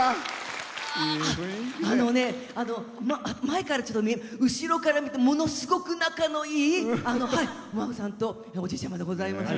前から見ても後ろから見てもものすごく仲のいいお孫さんとおじいちゃまでございました。